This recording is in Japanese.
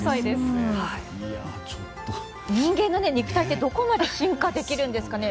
人間の肉体ってどこまで進化できるんですかね。